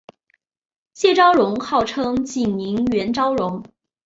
谢昭容号称景宁园昭容。